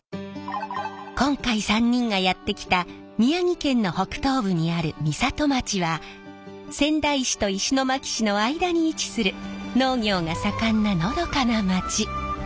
今回３人がやって来た宮城県の北東部にある美里町は仙台市と石巻市の間に位置する農業が盛んなのどかな町。